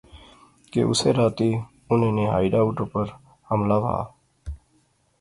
کہ اسے راتی انیں نے ہائیڈ اوٹ اپر حملہ وہا